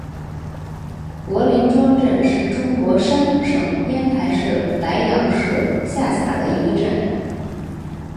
柏林庄镇是中国山东省烟台市莱阳市下辖的一个镇。